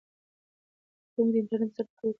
کاروونکو ته د انټرنیټ سره ګډ کار کول اسانتیا برابر وي.